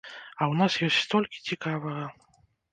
А ў нас ёсць столькі цікавага!